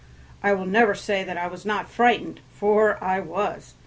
I will never say I was not frightened, for I was.